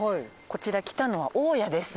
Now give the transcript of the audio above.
こちら来たのは大谷です。